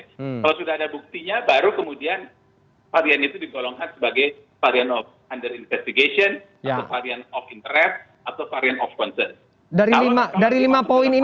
kalau sudah ada buktinya baru kemudian varian itu digolongkan sebagai varian of under investigation atau varian of interest atau varian of concern